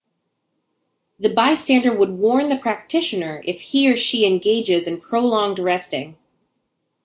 The bystander would warn the practitioner if he or she engages in prolonged resting.